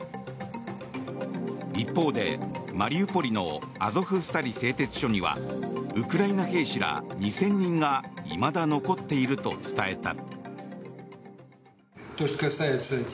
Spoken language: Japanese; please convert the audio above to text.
一方で、マリウポリのアゾフスタリ製鉄所にはウクライナ兵士ら２０００人がいまだ残っていると伝えた。